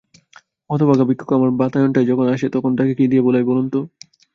হতভাগা ভিক্ষুক আমার বাতায়নটায় যখন আসে তখন তাকে কী দিয়ে ভোলাই বলুন তো!